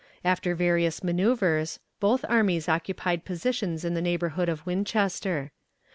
After various manoeuvres, both armies occupied positions in the neighborhood of Winchester.